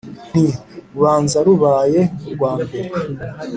Nti: ubanza rubaye urwambere